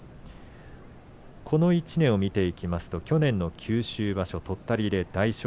この１年を見ていきますと去年の九州場所とったりで大翔鵬。